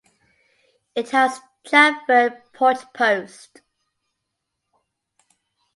It has chamfered porch posts.